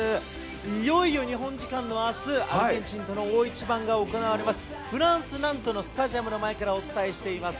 いよいよ日本時間のあす、アルゼンチンとの大一番が行われます、フランス・ナントのスタジアムの前からお伝えしています。